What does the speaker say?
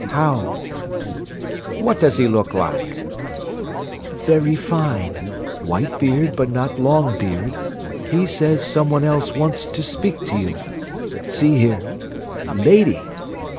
"How?" "What does he look like?" "Very fine! White beard, but not long beard. He says someone else wants to speak to you. See here. Lady.